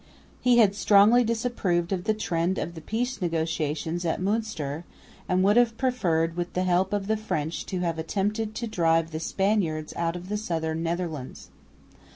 He had strongly disapproved of the trend of the peace negotiations at Münster, and would have preferred with the help of the French to have attempted to drive the Spaniards out of the southern Netherlands.